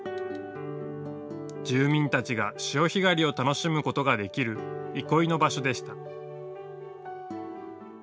住民たちが潮干狩りを楽しむことができる憩いの場所でした。